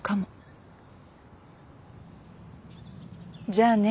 じゃあね。